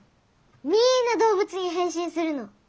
みんな動物に変身するの。